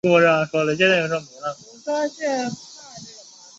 该寺为修习苯教大圆满法的中心寺院。